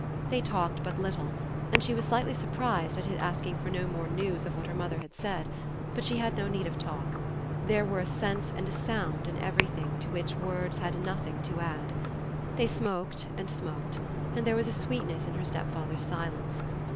They talked but little, and she was slightly surprised at his asking for no more news of what her mother had said; but she had no need of talk there were a sense and a sound in everything to which words had nothing to add. They smoked and smoked, and there was a sweetness in her stepfather's silence.